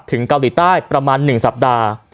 เกาหลีใต้ประมาณ๑สัปดาห์